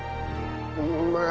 うめえ！